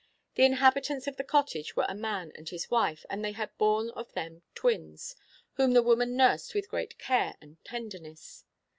The inhabitants of the cottage were a man and his wife, and they had born to them twins, whom the woman nursed with great care and tenderness.